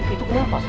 itu kenapa sah